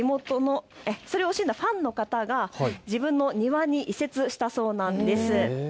それ惜しんだファンの方が自分の庭に移設したそうなんです。